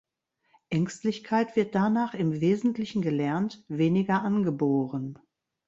Ängstlichkeit wird danach im Wesentlichen gelernt, weniger angeboren.